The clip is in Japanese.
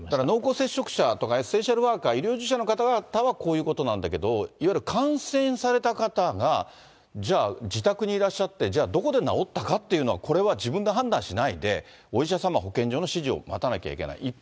濃厚接触者とかエッセンシャルワーカー、医療従事者の方々はこういうことなんだけど、いわゆる感染された方が、じゃあ、自宅にいらっしゃって、じゃあどこで治ったかっていうのは、これは自分で判断しないで、お医者様、保健所の指示を待たなきゃいけない。